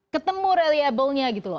ketemu reliable nya gitu loh